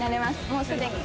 もうすでに。